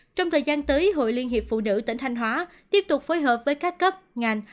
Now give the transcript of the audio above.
trong thời gian tới hội liên hiệp phụ nữ tỉnh thanh hóa tiếp tục phối hợp với các cấp ngành